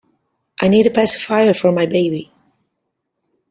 I need a pacifier for my baby.